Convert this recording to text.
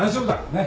ねっ？